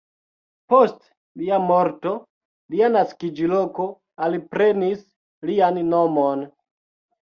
Post lia morto lia naskiĝloko alprenis lian nomon.